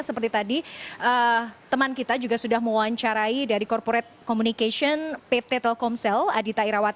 seperti tadi teman kita juga sudah mewawancarai dari corporate communication pt telkomsel adita irawati